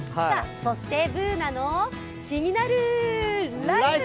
そして「ＢｏｏｎａのキニナルＬＩＦＥ」！